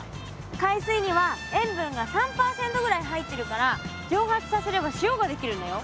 海水には塩分が３％ぐらい入ってるから蒸発させれば塩が出来るんだよ。